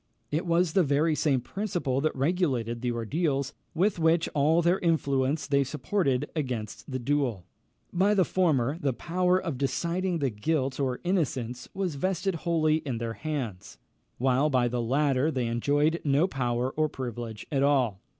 It was the very same principle that regulated the ordeals, which with all their influence they supported against the duel. By the former, the power of deciding the guilt or innocence was vested wholly in their hands; while by the latter they enjoyed no power or privilege at all.